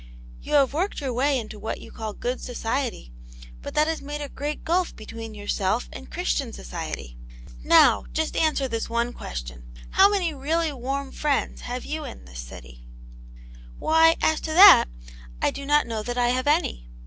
You have worked your way into what you call good society, but that has made a great gulf between your self and Christian society. Now, just answer this one question ; How many really warm friends have you in this city t "" Why, as to that, I do not know that 1 have any.